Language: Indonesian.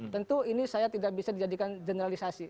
tentu ini saya tidak bisa dijadikan generalisasi